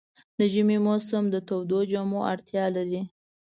د ژمي موسم د تودو جامو اړتیا لري.